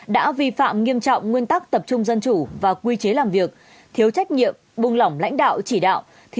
đã vi phạm nghiêm trọng nguyên tắc tập trung dân chủ và quy chế làm việc thiếu trách nhiệm buông lỏng lãnh đạo chỉ đạo